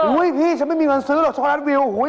อุ๊ยพี่ฉันไม่มีความซื้อหรอกช็อกโกลัทย์วิวที่มันใหญ่